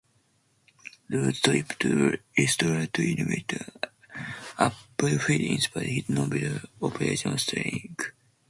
Roth's trip to Israel to interview Appelfeld inspired his novel "Operation Shylock".